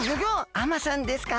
あまさんですか？